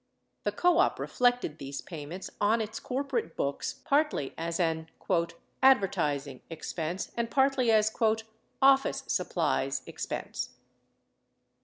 The co op reflected these payments on its corporate books partly as an "Advertising" expense and partly as "Office supplies" expense.